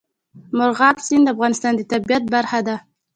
مورغاب سیند د افغانستان د طبیعت برخه ده.